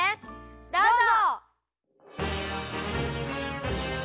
どうぞ！